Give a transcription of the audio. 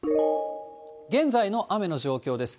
現在の雨の状況です。